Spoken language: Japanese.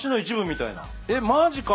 えっマジか。